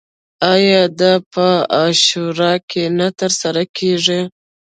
آیا دا په عاشورا کې نه ترسره کیږي؟